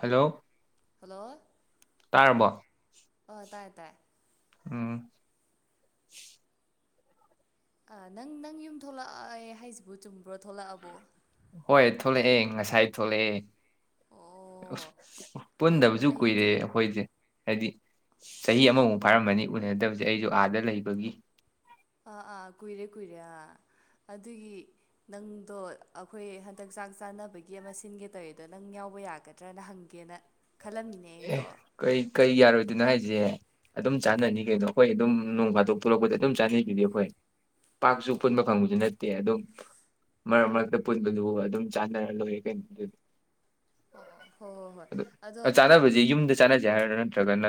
Hello hello ꯇꯥꯔꯕꯣ ꯑꯣ ꯇꯥꯏꯌꯦ ꯇꯥꯏꯌꯦ ꯎꯝ ꯑ ꯅꯪ ꯅꯪ ꯌꯨꯝ ꯊꯣꯛꯂꯛꯑꯦ ꯍꯥꯏꯁꯤꯕꯨ ꯆꯨꯝꯕ꯭ꯔꯣ ꯊꯂꯛꯑꯕꯣ ꯍꯣꯏ ꯊꯣꯛꯂꯛꯑꯦ ꯉꯁꯥꯏ ꯊꯣꯛꯂꯛꯑꯦ ꯑꯣ ꯑꯁ ꯄꯨꯟꯗꯕꯁꯨ ꯑꯩꯗꯤ ꯀꯨꯏꯔꯦ ꯈꯪ ꯑꯩꯈꯣꯏꯁꯦ ꯍꯥꯏꯗꯤ ꯆꯍꯤ ꯑꯃꯃꯨꯛ ꯐꯥꯔꯝꯃꯅꯤ ꯎꯅꯗꯕꯁꯦ ꯑꯩꯁꯨ ꯑꯥꯗ ꯂꯩꯕꯒꯤ ꯑꯥ ꯑꯥ ꯀꯨꯏꯔꯦ ꯀꯨꯏꯔꯦ ꯑꯥ ꯑꯗꯨꯒꯤ ꯅꯪꯗꯣ ꯑꯩꯈꯣꯏ ꯍꯟꯗꯛ ꯆꯥꯛ ꯆꯥꯅꯕꯒꯤ ꯑꯃ ꯁꯤꯟꯒꯦ ꯇꯧꯋꯦꯗꯣ ꯅꯪ ꯌꯥꯎꯕ ꯌꯥꯒꯗ꯭ꯔꯅ ꯍꯪꯒꯦꯅ ꯈꯜꯂꯝꯃꯤꯅꯦ ꯑꯦ ꯑꯩꯗꯣ ꯀꯩ ꯀꯩ ꯌꯥꯔꯣꯏꯗꯣꯏꯅꯣ ꯍꯥꯏꯁꯦ ꯑꯗꯨꯝ ꯆꯥꯟꯅꯅꯤ ꯀꯩꯅꯣ ꯑꯩꯈꯣꯏ ꯑꯗꯨꯝ ꯅꯣꯡ ꯐꯥꯗꯣꯛ ꯄꯨꯂꯛꯄꯗ ꯑꯗꯨꯝ ꯆꯥꯅꯩꯗꯨꯗꯤ ꯑꯩꯈꯣꯏ ꯄꯥꯛꯁꯨ ꯑꯣ ꯄꯨꯟꯕ ꯈꯪꯕꯁꯨ ꯅꯠꯇꯦ ꯑꯗꯨꯝ ꯃꯔꯛ ꯃꯔꯛꯇ ꯄꯨꯟꯕꯗꯨ ꯑꯗꯨꯝ ꯆꯥꯟꯅꯔ ꯂꯣꯏꯔ ꯀꯩꯅꯣ ꯑꯗꯨꯗꯤ ꯑꯣ ꯍꯣ ꯍꯣ ꯍꯣꯏ ꯑꯗꯨ ꯆꯥꯟꯅꯕꯁꯦ ꯌꯨꯝꯗ ꯆꯥꯟꯅꯖꯦ ꯍꯥꯏꯔ ꯅꯠꯇꯔ꯭ ꯒꯅ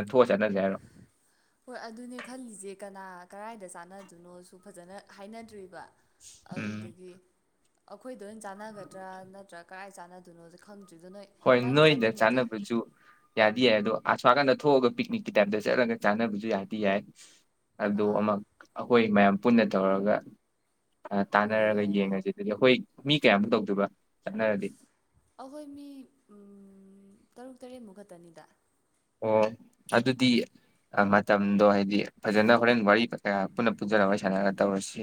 ꯍꯣꯏ ꯑꯗꯨꯅꯦ ꯈꯜꯂꯤꯁꯦ ꯀꯅꯥ ꯀꯗꯥꯥꯏꯗ ꯆꯥꯟꯅꯗꯣꯏꯅꯣꯁꯨ ꯐꯖꯅ ꯍꯥꯏꯅꯗ꯭ꯔꯤꯕ ꯎꯝ ꯑꯗꯨꯗꯨꯒꯤ ꯑꯩꯈꯣꯏꯗ ꯑꯣꯏꯅ ꯆꯥꯟꯅꯒꯗ꯭ꯔꯥ ꯅꯠꯇ꯭ꯔꯥ ꯀꯥꯏꯗ ꯆꯥꯟꯅꯗꯨꯅꯣ ꯈꯪꯗꯦ ꯈꯪꯗ꯭ꯔꯤꯗꯣ ꯅꯣꯏ ꯍꯣꯏ ꯅꯣꯏꯗ ꯆꯥꯅꯕꯖꯨ ꯌꯥꯗꯤ ꯌꯥꯏ ꯑ ꯑꯁꫭꯝ ꯅꯀꯟꯗ ꯊꯣꯛꯑꯒ ꯄꯤꯛꯅꯤꯛꯀꯤ ꯇꯥꯏꯝꯗ ꯆꯠꯂꯒ ꯆꯥꯅꯕꯖꯨ ꯌꯥꯗꯤ ꯌꯥꯏ ꯑꯗꯨ ꯑꯥ ꯑꯃ ꯑꯈꯣꯏ ꯃꯌꯥꯝ ꯄꯨꯟꯅ ꯇꯧꯔꯒ ꯑ ꯑꯣ ꯇꯥꯟꯅꯔꯒ ꯌꯥꯏ ꯌꯥꯏ ꯌꯦꯡꯉꯁꯤ ꯑꯗꯨꯗꯤ ꯑꯩꯈꯣꯏ ꯃꯤ ꯀꯌꯥꯃꯨꯛ ꯇꯧꯗꯣꯏꯕ ꯆꯠꯅꯔꯗꯤ ꯑꯈꯣꯏ ꯃꯤ ꯇꯔꯨꯛ ꯇꯔꯦꯠꯃꯨꯛ ꯈꯛꯇꯅꯤꯗ ꯑꯣ ꯑꯗꯨꯗꯤ ꯑ ꯃꯇꯝꯗꯣ ꯍꯥꯏꯗꯤ ꯐꯖꯅ ꯍꯣꯔꯦꯟ ꯋꯥꯔꯤ ꯀꯌꯥ ꯄꯨꯟꯅ ꯄꯨꯖꯜꯂ ꯋꯥꯔꯤ ꯁꯥꯟꯅꯔꯒ ꯇꯧꯔꯁꯤ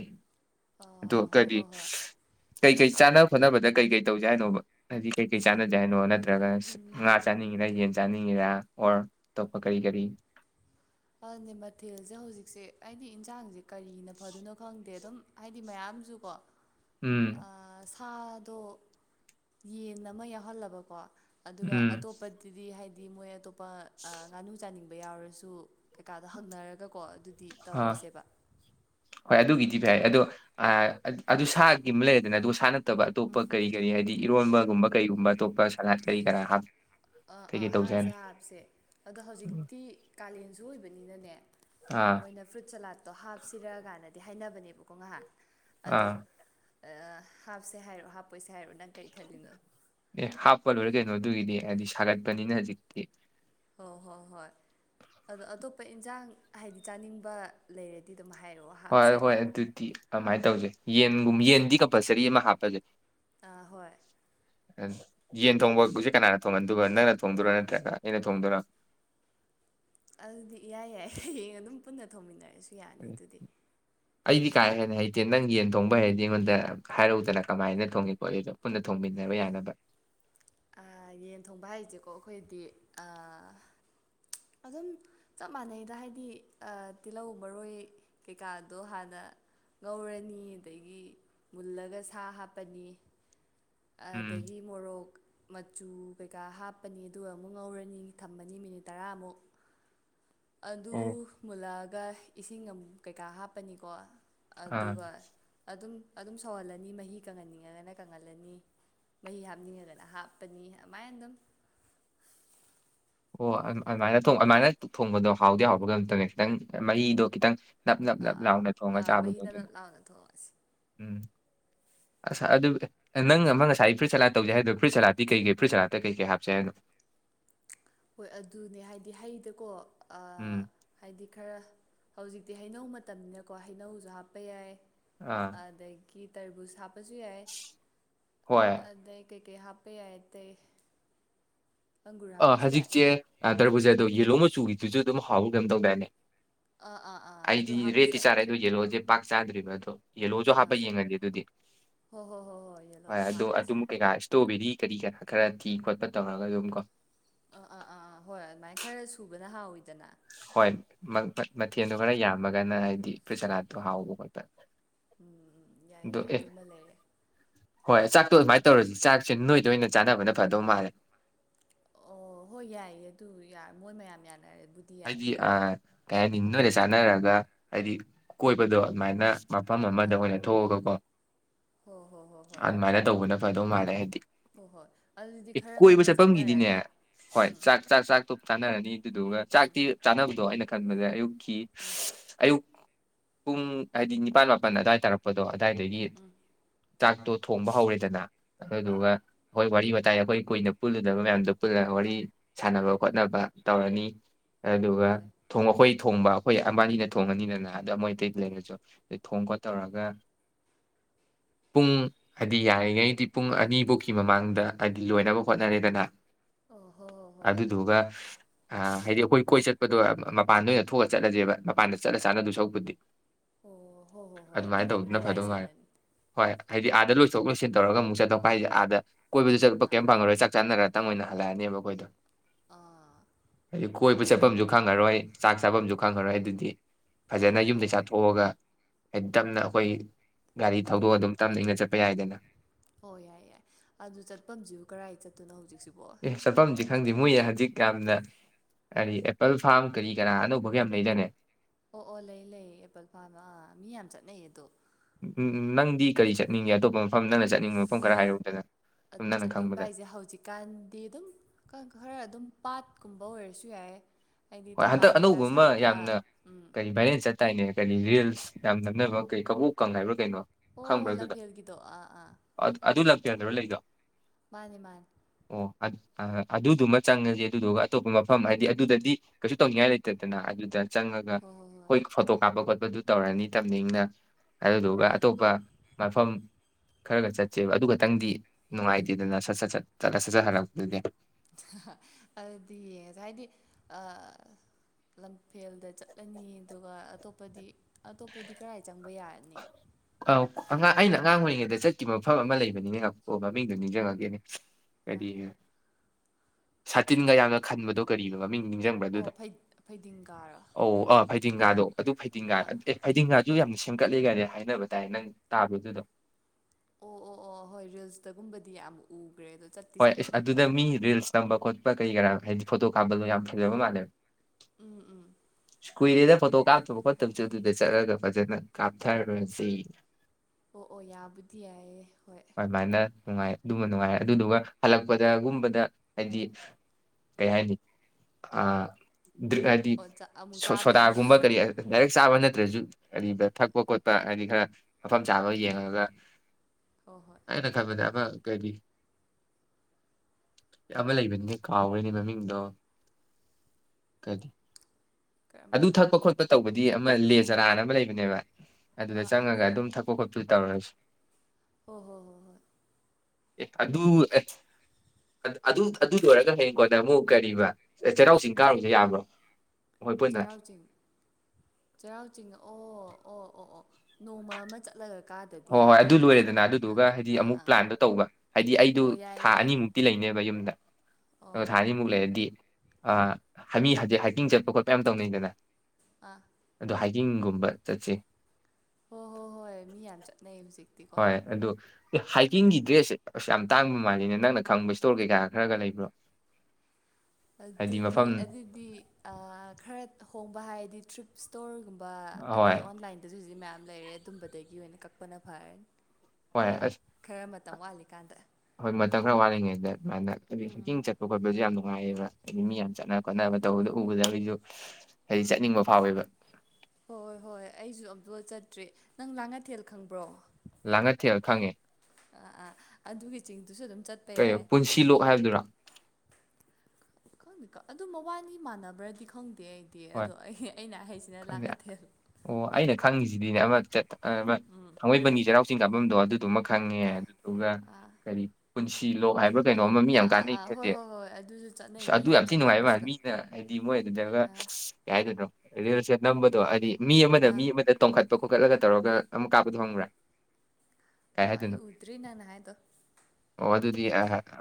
ꯑꯗꫭ ꯑꯥ ꯍꯣꯏ ꯀꯔꯤ ꯍꯣꯏ ꯍꯣꯏ [inaudible] ꯀꯩꯀꯩ ꯆꯥꯟꯅ ꯈꯣꯠꯅꯕꯗ ꯀꯩꯀꯩ ꯇꯧꯁꯦ ꯍꯥꯏꯅꯣꯕ ꯍꯥꯏꯗꯤ ꯀꯩꯀꯩ ꯆꯥꯟꯅꯖꯦ ꯍꯥꯏꯅꯣꯕ ꯅꯠ [inaudible] ꯉꯥ ꯎꯝ ꯆꯥꯅꯤꯡꯉꯤꯅ ꯌꯦꯟ ꯆꯥꯅꯤꯡ [unintelligible] ꯑꯣꯔ ꯇꯣꯞꯄ ꯀꯔꯤ ꯀꯔꯤ ꯑꯗꯨꯅꯦ ꯃꯊꯦꯜꯁꯦ ꯍꯧꯖꯤꯛꯁꯦ ꯑꯩꯗꯤ ꯏꯟꯁꯥꯡꯖꯦ ꯀꯔꯤꯅ ꯐꯗꯣꯏꯅꯣ ꯈꯪꯗꯦ ꯑꯗꯨꯝ ꯍꯥꯏꯗꯤ ꯃꯌꯥꯝꯖꯨ ꯀꯣ ꯎꯝ ꯁꯥꯗꯣ ꯌꯦꯟ ꯑꯃ ꯌꯥꯎꯍꯜꯂꯕꯀꯣ ꯑꯗꯨꯒ ꯎꯝ ꯑꯇꯣꯞꯄꯗꯗꯤ ꯍꯥꯏꯗꯤ ꯑꯗꯨꯗꯤ ꯃꯣꯏ ꯑꯇꯣꯞꯄ ꯄꯥ ꯑꯩ ꯉꯥꯅꯨ ꯆꯥꯅꯤꯡꯕ ꯕ ꯌꯥꯎꯔꯁꯨ ꯀꯩꯀꯥꯗꯣ ꯍꯪꯅꯔꯒꯀꯣ ꯑꯗꯨꯗꯤ ꯑ ꯇꯧꯔꯁꯦꯕ ꯍꯣꯏ ꯑꯗꯨꯒꯤꯗꯤ ꯐꯩ ꯑꯗꯣ ꯑ ꯑꯗꯨ ꯁꯥꯒꯤ ꯑꯃ ꯂꯩꯔꯦꯗꯅ ꯑꯗꯨꯒ ꯁꯥ ꯅꯠ ꯅꯠꯇꯕ ꯑꯇꯣꯞꯄ ꯀꯔꯤ ꯀꯔꯤ ꯍꯥꯏꯗꯤ ꯏꯔꯣꯟꯕꯒꯨꯝꯕ ꯀꯩꯒꯨꯝꯕ ꯑꯇꯣꯞꯄ ꯁꯂꯥꯠ ꯀꯔꯤ ꯀꯔꯥ ꯍꯥꯞ ꯑꯥ ꯑꯥ ꯀꯩꯀꯩ ꯍꯥꯞꯁꯦ ꯇꯧꯖꯥꯠꯅꯣ ꯍꯥꯞꯁꯦ ꯑꯗꯣ ꯍꯧꯖꯤꯛꯇꯤ ꯀꯥꯂꯦꯟꯁꯨ ꯑꯣꯏꯕꯅꯤꯅꯅꯦ ꯑꯥ ꯃꯣꯏꯅ ꯐ꯭ꯔꯨꯏꯠ ꯁꯂꯥꯠ ꯑꯗꫭ ꯍꯥꯞꯁꯤꯔ ꯒꯥꯏꯅꯗꯤ ꯍꯥꯏꯅꯕꯅꯦꯕꯀꯣ ꯉꯍꯥꯟ ꯑꯗꯣ ꯑꯥ ꯍꯥꯞꯁꯦ ꯍꯥꯏꯔꯣ ꯍꯥꯞꯄꯣꯏꯁꯦ ꯍꯥꯏꯔꯣ ꯅꯪ ꯀꯔꯤ ꯈꯜꯂꯤꯅꯣ ꯑꯦ ꯍꯥꯄꯄ ꯂꫭꯏꯔꯦ ꯀꯩꯅꫭ ꯑꯗꯨꯒꯤꯗꯤ ꯍꯥꯏꯗꯤ ꯁꯥꯒꯠꯄꯅꯤꯅ ꯍꯧꯖꯤꯛꯇꯤ ꯍꯣ ꯍꯣ ꯍꯣꯏ ꯑꯗꯣ ꯑꯇꯣꯞꯄ ꯏꯟꯖꯥꯡ ꯍꯥꯏꯗꯤ ꯆꯥꯅꯤꯡꯕ ꯂꯩꯔꯗꯤ ꯑꯗꯨꯝ ꯍꯥꯏꯔꯛꯑꯣ ꯍꯣꯏ ꯍꯣꯏ ꯍꯥꯞꯁꯦꯕ ꯑꯗꯨꯗꯤ ꯑꯗꯨꯃꯥꯏ ꯇꯧꯖꯦ ꯌꯦꯟꯒꯨꯝ ꯌꯦꯟꯗꯤ ꯀꯝꯄꯜꯁꯔꯤ ꯑꯃ ꯍꯥꯞꯄꯒꯦ ꯑꯥ ꯍꯣꯏ ꯌꯦꯟ ꯊꯣꯡꯕ ꯀꯅꯥꯅ ꯊꯣꯡꯍꯟ ꯗꯨꯒ ꯅꯪꯅ ꯊꯣꯡꯗꯣꯏꯔꯥ ꯅꯠꯇ꯭ꯔꯒ ꯑꯩꯅ ꯊꯣꯡꯗꯣꯏꯔꯥ ꯑꯗꯨꯗꯤ ꯏꯌꯥ ꯌꯥꯏ ꯍꯌꯦꯡ ꯑꯗꯨꯝ ꯄꯨꯟꯅ ꯊꯧꯃꯤꯟꯅꯔꯦ ꯁꯨ ꯌꯥꯅꯤ ꯑꯗꯨꯗꯤ ꯑꯩꯗꯤ ꯀꯥ ꯍꯦꯟꯅ ꯍꯩꯇꯦ ꯅꯪ ꯌꯦꯟ ꯊꯣꯡꯕ ꯍꯩꯔꯗꯤ ꯑꯩꯉꯣꯟꯗ ꯍꯥꯏꯔꯛꯑꯨꯗꯅ ꯀꯃꯥꯏꯅ ꯊꯣꯡꯉꯦ ꯈꯣꯠꯂꯤꯗꯣ ꯄꯨꯟꯅ ꯊꯣꯡꯃꯤꯟꯅꯕ ꯌꯥꯅꯕ ꯑꯥ ꯌꯦꯟ ꯊꯣꯡꯕ ꯍꯥꯏꯖꯦꯀꯣ ꯑꯩꯈꯣꯏꯗꯤ ꯑꯥ ꯑꯗꯨꯝ ꯆꯞ ꯃꯥꯟꯅꯩꯗ ꯍꯥꯏꯗꯤ ꯇꯤꯜꯍꯧ ꯃꯔꯣꯏ ꯀꯩꯀꯥꯗꯣ ꯍꯥꯟꯅ ꯉꯧꯔꯅꯤ ꯑꯗꯩꯒꯤ ꯃꯨꯜꯂꯒ ꯁꯥ ꯍꯥꯞꯄꯅꯤ ꯎꯝ ꯑꯗꯒꯤ ꯃꯣꯔꯣꯛ ꯃꯆꯨ ꯀꯩꯀꯥ ꯍꯥꯞꯄꯅꯤ ꯑꯗꯨꯒ ꯑꯃꯨꯛ ꯉꯧꯔꯅꯤ ꯊꯝꯃꯅꯤ ꯃꯤꯅꯤꯠ ꯇꯔꯥꯃꯨꯛ ꯑꯗꯨ ꯎꯝ ꯃꯨꯂꯥꯛ ꯒ ꯏꯁꯤꯡ ꯑꯃꯨꯛ ꯀꯩꯀꯥ ꯍꯥꯞꯄꯅꯤꯀꯣ ꯑꯥ ꯑꯗꯨꯒ ꯑꯗꯨꯝ ꯑꯗꯨꯝ ꯁꯧꯍꯜꯂꯅꯤ ꯃꯍꯤ ꯀꯪꯍꯟꯅꯤꯡꯉꯒꯅ ꯀꯪꯍꯜꯂꯅꯤ ꯃꯍꯤ ꯍꯥꯞꯅꯤꯡꯉꯒꯅ ꯍꯥꯞꯄꯅꯤ ꯑꯗꯨꯃꯥꯏꯅ ꯑꯗꯨꯝ ꯑꯣ ꯑꯗꯨꯃꯥꯏꯅ ꯑꯗꯨꯃꯥꯏꯅ ꯊꯣꯡꯕꯗꯣ ꯍꯥꯎꯗꯤ ꯍꯥꯎꯕꯒ ꯑꯝꯇꯅꯦ ꯈꯤꯇꯪ ꯃꯍꯤꯗꯣ ꯈꯤꯇꯪ ꯅꯞ ꯅꯞ ꯑꯥ ꯂꯞ ꯑꯥ ꯂꯥꯎꯅ ꯊꯣꯡꯉ ꯑꯥ ꯃꯍꯤ ꯆꯥꯕꯗꯣ ꯅꯞ ꯅꯞ ꯑꯗꯨꯅ ꯂꯥꯎꯅ ꯊꯣꯛꯂꯛꯑꯁꯤ ꯎꯝ ꯑꯁ ꯑꯗꯨ ꯅꯪ ꯑꯃ ꯉꯁꯥꯏ ꯐ꯭ꯔꯤꯠ ꯁꯂꯥꯠ ꯇꯧꯖꯦ ꯍꯥꯏꯗꯣ ꯐ꯭ꯔꯤꯠ ꯁꯂꯥꯠꯇꯤ ꯀꯩꯀꯩ ꯐ꯭ꯔꯤꯠ ꯁꯂꯥꯗꯠꯇ ꯀꯩꯀꯩ ꯍꯥꯞꯁꯦ ꯍꯥꯏꯅꯣ ꯍꯣꯏ ꯑꯗꯨꯅꯦ ꯍꯥꯏꯗꯤ ꯍꯩꯗꯀꯣ ꯑꯥ ꯎꯝ ꯍꯥꯏꯗꯤ ꯈꯔ ꯍꯧꯖꯤꯛꯇꯤ ꯍꯩꯅꯧ ꯃꯇꯝꯅꯤꯅꯀꯣ ꯍꯩꯅꯧꯁꯨ ꯍꯥꯞꯄ ꯌꯥꯏ ꯑꯥ ꯑꯗꯒꯤ ꯀꯤ ꯇꯔꯕꯨꯨꯁ ꯍꯥꯞꯄ ꯁꯨ ꯌꯥꯏ ꯍꯣꯏ ꯑꯗꯩ ꯀꯩ ꯀꯩ ꯍꯥꯞꯄ ꯌꯥꯏ ꯑꯇꯩ ꯑꯪꯒꯨꯔ ꯑ ꯍꯥꯞꯄꯁꯨ ꯌꯥꯏ ꯍꯧꯖꯤꯛꯁꯦ ꯇꯔꯥꯕꯨꯖꯦꯗꯣ ꯌꯦꯂꯣ ꯆꯨꯔꯤꯗꯨꯁꯨ ꯑꯗꯨꯝ ꯍꯥꯎꯋ ꯀꯩꯅꯣꯝ ꯇꯧꯗꯥꯏꯅꯦ ꯑꯥ ꯑꯥ ꯑꯥ ꯑꯗꯨ ꯑꯩꯗꯤ ꯍꯥꯞꯄꯁꯨ ꯔꯦꯠꯇꯤ ꯌꯥꯏ ꯑꯗꯨ ꯆꯥꯔꯦꯗꯣ ꯌꯦꯜꯂꯣꯁꯦ ꯄꯥꯛ ꯆꯗ꯭ꯔꯤꯕ ꯑꯗꯣ ꯌꯦꯂꯣꯁꯨ ꯍꯥꯞꯄ ꯑꯥ ꯌꯦꯡꯉꯒꯦ ꯑꯗꯨꯗꯤ ꯍꯣꯏ ꯍꯣꯏ ꯍꯣꯏ ꯍꯣꯏ ꯌꯦꯜꯂꯣꯗ ꯑꯗꯣ ꯍꯥꯞꯄꯁꯦ ꯑꯗꯨꯝ ꯀꯩꯀꯥ ꯏꯁꯇꯣꯕꯦꯔꯤ ꯀꯔꯤ ꯀꯔ ꯈꯔ ꯊꯤ ꯈꯣꯠꯄ ꯇꯧꯔꯒ ꯑꯗꯨꯝ ꯀꯣ ꯑ ꯑꯥ ꯑꯥ ꯑꯥ ꯍꯣꯏ ꯑꯗꯨꯃꯥꯏꯅ ꯈꯔ ꯁꯨꯕꯅ ꯍꯥꯎꯋꯤꯗꯅ ꯍꯣꯏ ꯃꯥ ꯍꯣꯏ ꯃꯊꯦꯜꯗꯣ ꯈꯔ ꯌꯥꯝꯃꯒ ꯅ ꯍꯥꯏꯗꯤ ꯄꯦꯁꯔ ꯁꯥꯂꯥꯠꯪꯇꯣ ꯍꯧꯕ ꯈꯣꯠꯄ ꯎꯝ ꯎꯝ ꯌꯥꯏ ꯑꯗꯣ ꯌꯥꯏ ꯑꯦ ꯑꯗꯨꯃ ꯂꯩꯔꯦ꯫ ꯍꯣꯏ ꯆꯥꯛꯇꯣ ꯑꯗꯨꯃꯥꯏꯅ ꯇꯧꯔꯁꯤ ꯆꯥꯛꯁꯦ ꯅꯣꯏꯗ ꯑꯣꯏꯅ ꯆꯥꯟꯅꯕꯅ ꯐꯗꯧ ꯃꯥꯜꯂꯦ꯫ ꯑꯣ ꯍꯣꯏ ꯌꯥꯏꯌꯦ ꯑꯗꯨ ꯌꯥꯏ ꯃꯣꯏ ꯃꯌꯥꯝ ꯌꯥꯅ꯫ ꯍꯥꯏꯗꯤ ꯑꯥ꯫ ꯀꯩ ꯍꯥꯏꯅꯤ ꯅꯣꯏꯗ ꯆꯥꯟꯅꯔꯒ꯫ ꯃꯐꯝ ꯑꯃꯗ ꯑꯥ ꯑꯣꯏꯅ ꯊꯣꯛꯑꯒ ꯀꯣ꯫ ꯍꯣ ꯍꯣ ꯍꯣꯏ ꯍꯣꯏ꯫ ꯐꯥꯗꯧꯃꯟꯂꯩ ꯑꯩꯗꯤ꯫ ꯍꯣꯏ ꯑꯗꯨꯗꯤ ꯑꯦ ꯈꯔ ꯀꯣꯏꯕ ꯉꯟꯅ ꯆꯠꯐꯝꯒꯤꯗꯤꯅꯦ ꯆꯥꯟꯅꯔꯒ ꯍꯣꯏ ꯎꯝ ꯆꯥꯛ ꯆꯥꯛ ꯆꯥꯛꯇꯨ ꯆꯥꯅꯔꯅꯤ ꯑꯗꯨꯗꯨꯒ ꯆꯥꯛ꯫ ꯎꯝ ꯆꯥꯟꯅꯕꯗꯣ ꯑꯩꯅ ꯈꯟꯕꯗ ꯑꯌꯨꯛ꯫ ꯀꯤ ꯎꯝ [inaudible] ꯑꯌꯨꯛ꯫ ꯄꯨꯡ ꯍꯥꯏꯗꯤ ꯅꯤꯄꯥꯟ ꯃꯥꯄꯟ ꯑꯗꯨꯋꯥꯏ ꯇꯔꯛꯄꯗꯣ ꯑꯗꯨ꯫ ꯗꯥꯏꯗꯒꯤ꯫ ꯎꯝ ꯆꯥꯛꯇꯣ ꯊꯣꯡꯕ ꯍꯧꯔꯦꯗꯅ꯫ ꯑꯥ ꯗꯨꯔꯒꯥ ꯍꯣꯏ ꯋꯥꯔꯤ ꯋꯥ꯫ [inaudible] ꯑꯩꯈꯣꯏ ꯀꯨꯏꯅ ꯄꯨꯜꯂꯨꯗꯕ ꯃꯌꯥꯝꯗꯣ ꯄꯨꯂꯒ ꯋꯥꯔꯤ ꯁꯥꯟꯅꯕ ꯈꯣꯠꯅꯕ ꯇꯧꯔꯅꯤ꯫ ꯑꯗꯨꯒ ꯍꯣꯏ ꯊꯣꯡ ꯑꯩꯈꯣꯏ꯫ ꯊꯣꯡꯕ ꯑꯩꯈꯣꯏ ꯑꯝꯅꯤꯅ ꯊꯣꯡꯉꯅꯤꯗꯅ꯫ [unintelligible] ꯃꯣꯏ ꯇꯩ ꯑꯥ ꯂꯩꯔ ꯖꯨ꯫ [unintelligible] ꯊꯣꯡꯈꯣꯠ ꯇꯧꯔꯒ ꯄꯨꯡ ꯍꯥꯏꯗꯤ ꯌꯥꯔꯤꯒꯩꯗꯤ ꯄꯨꯡ ꯑꯅꯤꯕꯣꯛꯀꯤ ꯃꯃꯥꯡꯗ ꯍꯥꯏꯗꯤ ꯂꯣꯏꯅꯕ ꯍꯣꯠꯅꯔꯦꯗꯅ꯫ ꯑꯣ ꯍꯣꯏ ꯍꯣꯏ ꯍꯣꯏ ꯑꯗꯨꯗꯨꯒ꯫ ꯑꯥ ꯍꯥꯏꯗꯤ ꯑꯈꯣꯏ꯫ ꯀꯣꯏ ꯆꯠꯄꯗꯣ ꯃꯄꯥꯟꯗ ꯑꯣꯏꯅ ꯊꯣꯛꯑꯒ ꯆꯠꯂꯖꯦꯕ ꯃꯄꯥꯟꯗ ꯆꯠꯂ ꯆꯥꯟꯅꯗꯣꯏ ꯁꯔꯨꯛꯄꯨꯗꯤ꯫ ꯑꯣ ꯍꯣ ꯍꯣ ꯍꯣꯏ ꯑꯗꯨꯃꯥꯏꯅ ꯑꯗꯨꯅꯕꯨꯗꯤ ꯋꯥꯏ ꯁꯪꯉꯅꯤ꯫ ꯗꯤ ꯑꯥꯗ ꯂꯣꯏꯊꯣꯛ ꯂꯣꯏꯁꯤꯟ ꯇꯧꯔꯒ ꯑꯃꯨꯛ ꯆꯠꯊꯣꯛꯄ ꯍꯥꯏꯁꯤ ꯑꯥꯗ꯫ ꯀꯣꯏꯕꯖꯨ ꯆꯠꯄ ꯑꯥ ꯀꯩꯝ ꯐꯪꯉꯔꯣꯏ ꯆꯥꯛ ꯆꯥꯟꯅꯔ꯫ ꯈꯤꯇꯪ ꯑꯣꯏꯅ ꯍꯜꯂꯛꯑꯅꯦꯕ ꯑꯈꯣꯏꯗꯣ꯫ ꯑꯥ ꯑꯩ ꯀꯣꯏꯕ ꯆꯠ꯫ ꯑꯗꯣ ꯆꯠꯐꯝꯁꯨ ꯈꯪꯉꯔꯣꯏ ꯆꯥꯛ ꯆꯥꯐꯝꯁꯨ ꯈꯪꯉꯔꯣꯏ꯫ ꯗꯨꯗꯤ꯫ ꯐꯖꯅ ꯍꯣꯏ ꯍꯣꯏ ꯌꯨꯝꯗꯩ ꯍꯣꯏ ꯆꯥꯊꯣꯛꯑꯒ꯫ [unintelligible] ꯇꯝꯅ ꯑꯈꯣꯏ꯫ ꯒꯥꯔꯤ ꯎꯝ ꯊꯧꯗꯣꯛꯑ ꯑꯗꯨꯝ ꯇꯞꯅ ꯏꯪꯅ ꯆꯠꯄ ꯌꯥꯏꯗꯅ꯫ ꯑꯣ ꯌꯥꯏ ꯌꯥꯏ ꯑꯗꯨ ꯆꯠꯐꯝꯁꯤꯕꯨ ꯀꯔꯥꯏ ꯆꯠꯇꯣꯏꯅꯣ ꯍꯧꯖꯤꯛꯁꯤ꯫ ꯑꯦ ꯆꯠꯐꯝꯁꯤ ꯈꯪꯗꯦ ꯃꯣꯏ ꯍꯧꯖꯤꯛ ꯌꯥꯝꯅ ꯀꯔꯤ ꯑꯦꯄꯜ ꯐꯥꯔꯝ ꯀꯔꯤ ꯀꯔꯥ ꯑꯅꯧꯕꯒ ꯌꯥꯝ ꯂꯩꯗꯅꯦ ꯑꯣ ꯑꯣ ꯂꯩ ꯂꯩ ꯑꯦꯄꯜ ꯐꯥꯔꯝ ꯑꯥ ꯃꯤ ꯌꯥꯝ ꯆꯠꯅꯩꯌꯦ ꯑꯗꯣ ꯎꯝ ꯅꯪꯗꯤ ꯀꯔꯤ ꯆꯠꯅꯤꯡꯒꯦ [unintelligible] ꯁꯨꯝ ꯅꯪꯅ ꯆꯠꯅꯤꯡꯕ ꯈꯪꯕꯗ ꯍꯥꯏꯁꯦ ꯍꯧꯖꯤꯛꯀꯥꯟꯗꯤ ꯑꯗꯨꯝ ꯈꯔ ꯑꯗꯨꯝ ꯄꯥꯠ ꯀꯨꯝꯕ ꯑꯣꯏꯔꯁꯨ ꯌꯥꯏ ꯍꯥꯏꯗꯤ ꯍꯣꯏ ꯊꯝꯕꯥꯜ ꯍꯟꯗꯛ ꯀꯩꯀꯥ ꯑꯅꯧꯕ ꯑꯃ ꯁꯥꯠꯄ ꯌꯥꯝꯅ ꯎꯝ ꯀꯔꯤ ꯚꯥꯏꯔꯦꯟ ꯆꯠ ꯇꯥꯏꯅꯦ ꯀꯔꯤ ꯔꯤꯜꯁ ꯌꯥꯝ ꯅꯝꯅꯕ ꯀꯩ ꯀꯕꯣꯛꯀꯪ ꯍꯥꯏꯕ꯭ꯔꯥ ꯀꯩꯅꯣ ꯑꯣ ꯈꯪꯕ꯭ꯔꯥ ꯑꯗꯨꯗꯣ ꯂꯝꯐꯦꯜꯒꯤꯗꯣ ꯑꯥ ꯑꯥ ꯑꯗꯨ ꯂꯝ [unintelligible] ꯀꯦꯟꯗ꯭ꯔꯣ ꯂꯩ ꯗꯣ ꯃꯥꯅꯦ ꯃꯥꯅꯦ ꯑꯣ ꯑꯗꯨꯗꯨꯃ ꯆꯪꯉꯁꯦ ꯑꯗꯨꯗꯨꯒ ꯑꯇꯣꯞꯄ ꯃꯐꯝ ꯍꯥꯏꯗꯤ ꯑꯗꯨꯗꯗꯤ ꯀꯩꯁꯨ ꯇꯧꯅꯤꯡꯉꯥꯏ ꯂꯩꯇꯦꯗꯅ ꯑꯗꯨ ꯆꯪꯉꯒ ꯍꯣꯏ ꯐꯣꯇꯣ ꯀꯥꯞꯄꯒ ꯑꯗꯨꯗꯨ ꯇꯧꯔꯅꯤ ꯇꯞꯅ ꯏꯡꯅ ꯑꯗꯨꯗꯨꯒ ꯍꯣꯏ ꯑꯇꯣꯞꯄ ꯃꯐꯝ ꯈꯔꯒ ꯆꯠꯁꯦꯕ ꯑꯗꯨ ꯈꯛꯇꯪꯗꯤ ꯅꯨꯡꯉꯥꯏꯇꯦꯗꯅ ꯁꯠ ꯁꯠ ꯁꯠ ꯆꯠꯂ ꯁꯠ ꯆꯠ ꯍꯜꯂꯛꯄꯗꯨꯗꯤ ꯑꯗꯨꯗꯤ [unintelligible] ꯍꯥꯏꯗꯤ ꯂꯝꯐꯦꯜꯗ ꯆꯠꯂꯅꯤ ꯑꯗꯨꯒ ꯑꯇꯣꯞꯄꯗꯤ ꯑꯇꯣꯞꯄꯗꯤ ꯀꯔꯥꯏ ꯆꯪꯕ ꯌꯥꯔꯅꯤ ꯑꯧ ꯑꯩ ꯑꯉꯥꯡ ꯑꯩꯅ ꯑꯉꯥꯡ ꯑꯣꯏꯔꯤꯉꯩꯗ ꯆꯠꯈꯤꯕ ꯃꯐꯝ ꯑꯃ ꯂꯩꯕꯅꯤꯅ [unintelligible] ꯃꯃꯤꯡꯗꯨꯣ ꯅꯤꯡꯁꯤꯡꯉꯒꯦꯅꯦ ꯑꯥ ꯀꯔꯤꯒ ꯁꯇꯤꯟꯒ ꯌꯥꯝꯅ ꯈꯟꯕꯗꯣ ꯀꯔꯤꯕ ꯃꯃꯤꯡ ꯅꯤꯡꯁꯤꯡꯕ꯭ꯔꯥ ꯑꯣ ꯑꯗꯨꯗꯣ ꯐꯩꯗꯤꯡꯒꯥꯔꯣ ꯑꯣ ꯑꯥ ꯗꯤꯡꯒꯥꯥꯗꯣ ꯑꯗꯨ ꯐꯩꯗꯤꯡꯒ ꯑꯥ ꯐꯩꯗꯤꯡꯒꯥ [unintelligible] ꯑꯗꯨꯨ ꯌꯥꯝ ꯁꯦꯝꯒꯠꯂꯦ ꯀꯥꯏꯗꯤ ꯍꯥꯏꯅꯕꯅꯦ ꯇꯥꯏ ꯅꯪ ꯇꯥꯕꯔꯣ ꯑꯗꯨꯗꯣ ꯑꯣ ꯑꯣ ꯑꯣ ꯍꯣꯏ ꯔꯤꯜꯁꯇꯒꯨꯝꯕꯗꯤ ꯌꯥꯝ ꯎꯕ ꯍꯣꯏ ꯑꯗꯨꯗ ꯃꯤ ꯔꯤꯜꯁ ꯇꯝꯕ ꯈꯣꯠ ꯀꯩ ꯀꯔꯥ ꯍꯥꯏꯗꯤ ꯐꯣꯇꯣ ꯀꯥꯞꯄꯗꯣ ꯌꯥꯝ ꯐꯖꯕ ꯃꯥꯜꯂꯦꯕ ꯎꯝ ꯎꯝ ꯀꯨꯏꯗꯦꯗ ꯐꯣꯇꯣ ꯀꯥꯞꯇꯕ ꯈꯣꯠꯇꯕꯁꯨ ꯑꯗꯨꯗ ꯆꯠꯂꯒ ꯐꯖꯅ ꯀꯥꯞꯊꯔꯨꯔꯁꯤ ꯑꯣ ꯑꯣ ꯌꯥꯕꯨꯗꯤ ꯌꯥꯏꯑꯌꯦ ꯍꯣꯏ ꯑꯗꯨꯃꯥꯏꯅ ꯅꯨꯡꯉꯥꯏ ꯑꯗꯨꯃ ꯅꯨꯡꯉꯥꯏꯔꯦ ꯑꯗꯨꯗꯨꯒ ꯍꯜꯂꯛꯄꯗꯒꯨꯝꯕꯗ ꯍꯥꯏꯗꯤ ꯀꯩ ꯍꯥꯏꯅꯤ ꯑꯥ ꯗ꯭ꯔꯤ ꯍꯥꯏꯗꯤ ꯑꯣ ꯑꯃꯨꯛ ꯆꯥꯕꯒꯤ ꯁꯣꯗꯥꯒꯨꯝꯕ ꯀꯔꯤ ꯍꯥꯏ ꯗꯥꯏꯔꯦꯛ ꯆꯥꯕ ꯅꯠꯇ꯭ꯔꯁꯨ ꯀꯔꯤꯕ ꯊꯛꯄ ꯈꯣꯠꯄ ꯍꯥꯏꯗꯤ ꯈꯔ ꯃꯐꯝ ꯆꯥꯕ ꯎꯝ ꯌꯦꯡꯉꯒ ꯍꯣꯏ ꯍꯣꯏ ꯑꯩꯅ ꯈꯟꯕꯗ ꯑꯃ ꯀꯔꯤ ꯌꯥꯕ ꯂꯩꯕꯅꯤꯅꯦ ꯀꯥꯎꯒ꯭ꯔꯦꯅꯦ ꯃꯃꯤꯡꯗꯣ ꯀꯔꯤ ꯑꯗꯨ ꯀꯔꯝꯕ ꯊꯛꯄ ꯈꯣꯠꯄ ꯇꯧꯕꯗꯤ ꯑꯃ ꯂꯦ ꯆꯔꯥꯅ ꯑꯃ ꯂꯩꯕꯅꯦꯕ ꯑꯗꯨꯗ ꯑꯥ ꯑꯥ ꯆꯪꯉꯒ ꯑꯗꯨꯝ ꯊꯛ ꯄꯣꯞ ꯑꯞꯇꯨ ꯇꯧꯔꯁꯤ ꯑꯣ ꯍꯣꯏ ꯍꯣꯏ ꯍꯣꯏ ꯑꯦ ꯑꯗꯨ ꯑ ꯑꯗꯨ ꯑꯗꯨ ꯂꯣꯏꯔꯒ ꯍꯉꯦꯡ ꯀꯣꯟꯅ ꯑꯃꯨꯛ ꯀꯔꯤꯕ ꯑꯦ ꯆꯩꯔꯥꯎ ꯆꯤꯡ ꯀꯥꯔꯨꯁꯤ ꯌꯥꯕ꯭ꯔꯣ ꯍꯣꯏ ꯄꯨꯟꯅ ꯆꯩꯔꯥꯎ ꯆꯤꯡ ꯆꯩꯔꯥꯎ ꯆꯤꯡ ꯑꯣ ꯑꯣ ꯑꯣ ꯑꯣ ꯅꯧꯃ ꯑꯃ ꯆꯠꯂꯒ ꯀꯥꯗꯗꯤ ꯍꯣꯏ ꯍꯣꯏ ꯑꯗꯨ ꯌꯥꯔꯔꯣꯏ ꯑꯗꯨꯗꯤ ꯂꯣꯏꯔꯦꯗꯅ ꯑꯥ ꯑꯗꯨꯗꯨꯒ ꯍꯥꯢꯗꯤ ꯑꯥ ꯑꯃꯨꯛ ꯑꯥ ꯑꯥ ꯄ꯭ꯂꯥꯟꯗꯣ ꯇꯧꯕ ꯍꯥꯏꯗꯤ ꯑꯩꯗꯨ ꯑꯣ ꯌꯥꯏ ꯊꯥ ꯌꯥꯏ ꯑꯅꯤꯃꯨꯛꯇꯤ ꯂꯩꯅꯦꯕ ꯌꯨꯝꯗ [inaudible] ꯑ ꯊꯥ ꯑꯣ ꯑꯅꯤꯃꯨꯛ ꯂꯩꯔꯗꯤ ꯑ ꯍꯃꯤ ꯍꯧꯖꯤꯛ ꯍꯥꯏꯀꯤꯡ ꯆꯠꯄ ꯈꯣꯠꯄ ꯌꯥꯝ ꯇꯧꯅꯩꯗꯅ ꯑ ꯑ ꯍꯥꯏꯀꯤꯡꯒꯨꯝꯕ ꯆꯠꯁꯦ ꯍ ꯣ ꯍꯣ ꯍꯣꯏ ꯃꯤ ꯌꯥꯝ ꯆꯠꯅꯩ ꯍꯨꯖꯤꯛ ꯍꯣꯏ ꯑꯗꯨ ꯑꯦ ꯍꯥꯏꯀꯤꯡꯒꯤ ꯗ꯭ꯔꯦꯁꯁꯦ ꯑꯁ ꯌꯥꯝ ꯇꯥꯡꯕ ꯃꯥꯜꯂꯤꯅꯦ ꯅꯪꯅ ꯈꯪꯕ ꯏ꯭ꯁꯇꯣꯔ ꯀꯩꯀꯥ ꯈꯔꯒ ꯂꯩꯕ꯭ꯔꯣ ꯍꯥꯏꯗꯤ ꯑꯗꯨꯗꯤ ꯃꯐꯝ ꯑꯗꯨꯗꯤ ꯑꯥ ꯈꯔ ꯍꯣꯡꯕ ꯍꯥꯏꯗꯤ ꯊ꯭ꯔꯤꯞ ꯏ꯭ꯁꯇꯣꯔꯒꯨꯝ ꯕ ꯍꯣꯏ ꯑꯗꯩ ꯑꯣꯟ ꯂꯥꯏꯟꯗꯖꯨ ꯍꯧꯖꯤꯛ ꯍꯧꯖꯤꯛ ꯃꯌꯥꯝ ꯂꯩꯔꯦ ꯑꯗꯨꯝꯕꯗꯒꯤ ꯑꯣꯏꯅ ꯀꯛꯄꯅ ꯐꯔꯅꯤ ꯍꯣꯏ ꯑꯁ ꯈꯔ ꯃꯇꯝ ꯋꯥꯠꯂꯤꯀꯥꯟꯗ ꯍꯣꯏ ꯃꯇꯝ ꯈꯔ ꯋꯥꯠꯂꯤꯉꯩꯗ ꯃꯥꯢꯅ ꯍꯥꯢꯗꯤ ꯎꯝ ꯍꯥꯢꯀꯤꯡ ꯆꯠꯄ ꯈꯣꯠꯄꯁꯦ ꯌꯥꯝꯅ ꯅꯨꯡꯉꯥꯏꯌꯦꯕ ꯍꯥꯏꯗꯤ ꯃꯤ ꯌꯥꯝ ꯆꯠꯅ ꯈꯣꯠꯅꯕ ꯇꯧꯕꯗ ꯎꯕꯗ ꯑꯩꯁꯨ ꯍꯥꯏꯗꯤ ꯆꯠꯅꯤꯡꯕ ꯐꯥꯎꯋꯦꯕ ꯍꯣꯏ ꯍꯣꯏ ꯍꯣꯏ ꯑꯩꯁꯨ ꯑꯃꯨꯛꯇ ꯆꯠꯇ꯭ꯔꯤ ꯅꯪ ꯂꯥꯡꯉꯊꯦꯜ ꯈꯪꯕ꯭ꯔꯣ ꯂꯥꯡꯉꯊꯦꯜ ꯈꯪꯉꯦ ꯑ ꯑꯥ ꯑꯗꯨꯒꯤ ꯆꯤꯡꯗꯨꯁꯨ ꯑꯗꯨꯝ ꯆꯠꯄ ꯌꯥꯏ ꯀꯩꯌꯦꯕ ꯄꯨꯟꯁꯤꯂꯣꯛ ꯍꯥꯏꯕꯗꯨꯔꯥ ꯈꯪꯗꯦꯀꯣ ꯑꯗꯨ ꯃꯕꯥꯟꯅꯤ ꯃꯥꯟꯅꯕꯔꯗꯤ ꯈꯪꯗꯦ ꯇꯦꯛ ꯑꯦ ꯇꯦꯛ ꯍꯣꯏ ꯑꯒ ꯑꯩ ꯑꯩꯅ ꯍꯥꯏꯁꯤꯅ ꯈꯪꯗꯦ ꯂꯥꯡꯉꯥꯊꯦꯜ ꯑꯣ ꯑꯩꯅ ꯈꯪꯉꯤꯁꯤꯗꯤꯅꯦ ꯑꯃ ꯆꯠ ꯑꯕ ꯊꯥꯡꯃꯩꯕꯟꯒꯤ ꯆꯩꯔꯥꯎ ꯆꯤꯡ ꯀꯥꯕꯝꯗꯣ ꯑꯗꯨ ꯑꯗꯨꯃ ꯈꯪꯉꯦ ꯑꯥ ꯑꯗꯨꯒ ꯑꯥ ꯀꯔꯤ ꯄꯨꯟꯁꯤꯂꯣꯛ ꯍꯥꯏꯕ ꯀꯩꯅꯣꯝꯃ ꯃꯤ ꯌꯥꯝ ꯑꯥ ꯑꯥ ꯀꯥꯟꯅꯩ ꯑꯥ ꯍꯣꯏ ꯍꯣꯏ ꯍꯣꯏ ꯑꯗꯨꯁꯨ ꯆꯠꯅꯩ [inaudible] ꯃꯤ ꯑꯗꯨ ꯌꯥꯝ ꯊꯤ ꯆꯠꯅꯩ ꯅꯨꯡꯉꯥꯏꯕ ꯃꯥꯜꯂꯤ ꯄꯨꯁꯤꯜꯂꯣ ꯃꯤꯅ ꯍꯥꯏꯗꯤ ꯃꯣꯏ ꯑꯗꯨꯗꯒ ꯑꯥ ꯌꯥꯏ ꯀꯩꯅꯣ ꯔꯤꯜꯁꯦ ꯅꯝꯕꯗꯣ ꯍꯥꯏꯗꯤ ꯃꯤ ꯑꯃꯅ ꯑꯥ ꯃꯤ ꯑꯃꯗ ꯇꯣꯡꯈꯠ ꯑꯄ ꯀꯣꯀꯠꯂꯒ ꯇꯧꯔꯒ ꯑꯃꯨꯛ ꯀꯥꯞꯄꯗꯣ ꯈꯪꯕ꯭ꯔꯥ ꯀꯩ ꯑꯣ ꯑꯩ ꯍꯥꯏꯗꯣꯏꯅꯣ ꯎꯗ꯭ꯔꯤ ꯅꯪꯅ ꯍꯥꯏꯗ ꯑꯣ ꯑꯗꯨꯗꯤ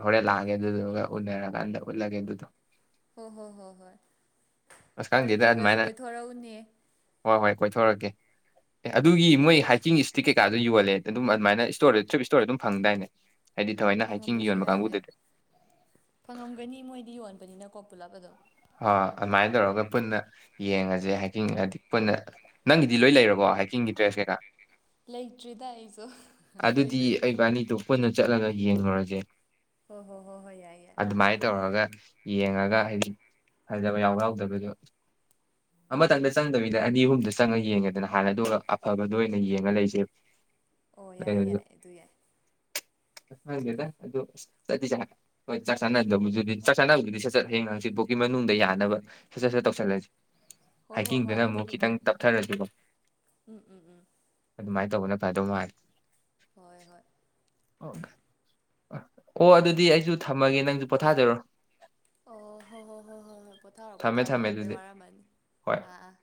ꯍꯣꯔꯦꯟ ꯂꯥꯛꯑꯒꯦ ꯑꯗꯨꯗꯨꯒ ꯎꯅꯔꯀꯥꯟꯗ ꯎꯠꯂꯒꯦ ꯑꯗꯨꯗꯣ ꯍꯣꯏ ꯍꯣ ꯍꯣꯏ ꯍꯣꯏ ꯑꯁ ꯍꯣꯔꯦꯟ ꯈꯪꯗꯦꯗ ꯈꯔꯒꯁꯨ ꯑꯗꯨꯃꯥꯏꯅ ꯀꯣꯏꯊꯣꯔꯛꯎꯅꯦ ꯍꯣꯏ ꯍꯣꯏ ꯀꯣꯏꯊꯣꯔꯛꯀꯦ ꯑꯦ ꯑꯗꯨꯒꯤ ꯃꯣꯏ ꯍꯥꯏꯀꯤꯡ ꯏꯁꯇꯤꯛ ꯀꯩꯀꯥꯗꯣ ꯌꯣꯜꯂꯦ ꯑꯗꯨꯝ ꯑꯗꯨꯃꯥꯏꯅ ꯏꯁꯇꯣꯔꯗ ꯊꯔꯤꯞ ꯏꯁꯇꯣꯔꯗ ꯑꯗꯨꯝ ꯐꯪꯗꯥꯏꯅꯦ ꯍꯥꯏꯗꯤ ꯊꯑꯣꯏꯅ ꯍꯥꯏꯀꯤꯡꯒꯤ ꯐꯪꯉꯝꯕꯁꯨ ꯌꯣꯟꯕ ꯌꯥꯏꯑꯦ ꯀꯥꯡꯕꯨꯗꯗꯤ ꯐꯪꯉꯝꯒꯅꯤ ꯃꯣꯏꯗꯤ ꯌꯣꯟꯕꯅꯤꯅꯀꯣ ꯄꯨꯂꯞ ꯑꯗꯨꯝ ꯍ ꯑꯗꯨꯃꯥꯏꯅ ꯇꯧꯔꯒ ꯄꯨꯟꯅ ꯌꯦꯡꯉꯁꯦ ꯍꯥꯏꯀꯤꯡ ꯍꯥꯏꯗꯤ ꯄꯨꯟꯅ ꯅꯪꯒꯤꯗꯤ ꯂꯣꯏ ꯂꯩꯔꯕꯣ ꯍꯥꯏꯀꯤꯡꯒꯤ ꯗꯔ꯭ꯦꯁ ꯀꯩꯀꯥ ꯂꯩꯇ꯭ꯔꯤꯗ ꯑꯩꯁꯨ ꯑꯗꯨꯗꯤ ꯂꯩꯗꯣꯏꯅꯦ ꯑꯩꯕꯥꯅꯤꯗꯣ ꯄꯨꯟꯅ ꯆꯠꯂꯒ ꯌꯦꯡꯂꯨꯔꯁꯦ ꯍ ꯍꯣ ꯍꯣ ꯍꯣꯏ ꯌꯥꯏ ꯌꯥꯏ ꯇꯧꯔꯒ ꯌꯦꯡꯉꯒ ꯍꯥꯏꯗꯤ ꯐꯖꯕ ꯌꯥꯎ ꯌꯥꯎꯗꯕꯔ꯭ꯗꯣ ꯑꯃꯇꯪꯗ ꯆꯪꯗꯕꯤꯗ ꯑꯅꯤ ꯑꯍꯨꯝꯗ ꯆꯪꯉ ꯌꯦꯡꯉꯦꯗꯅ ꯍꯥꯟꯅꯗꯣ ꯑꯐꯕꯗꯣ ꯑꯣꯏꯅ ꯌꯦꯡꯉ ꯂꯩꯁꯦ ꯑꯣ ꯌꯥꯏ ꯌꯥꯏ ꯑꯗꯨ ꯌꯥꯏ ꯪꯈꯪꯗꯦꯗ ꯑꯗꯨ ꯍꯣꯏ ꯆꯥꯛ ꯆꯥꯅꯍꯗꯕꯗꯨꯗꯤ ꯆꯥꯛ ꯆꯥꯅꯕꯗꯨꯗꯤ ꯁꯠ ꯁꯠ ꯍꯌꯦꯡ ꯍꯪ ꯆꯤꯠꯐꯥꯎ ꯒꯤ ꯃꯅꯨꯡꯗ ꯌꯥꯅꯕ ꯁꯠ ꯁꯠ ꯇꯧꯁꯤꯜꯂꯁꯤ ꯍꯣꯏ ꯍꯣꯏ ꯍꯣꯏ ꯍꯥꯏꯀꯤꯡꯗꯨꯅ ꯑꯃꯨꯛ ꯑꯗꯨꯕꯨꯗꯤ ꯈꯤꯇꯪ ꯇꯞꯊꯔꯁꯨꯀꯣ ꯑꯗꯨꯃꯥꯏꯅ ꯇꯧꯅ ꯐꯥꯗꯧ ꯃꯥꯜꯂꯤ ꯍꯣꯏ ꯍꯣꯏ ꯑꯣ ꯑꯣ ꯑꯗꯨꯗꯤ ꯑꯩꯁꯨ ꯊꯝꯃꯒꯦ ꯅꯪꯁꯨ ꯄꯣꯊꯥꯖꯔꯣ ꯑꯣ ꯍꯣꯏ ꯍꯣꯏ ꯍꯣꯏ ꯍꯣꯏ ꯍꯣꯏ ꯄꯣꯊꯥꯔꯣ ꯊꯝꯃꯦ ꯄꯣꯊꯥꯔꯣ ꯊꯝꯃꯦ ꯍꯜꯂꯛꯄꯩ ꯑꯗꯨꯗꯤ ꯋꯥꯔꯝꯃꯅꯤ ꯍꯣꯏ ꯑꯥ ꯑꯥ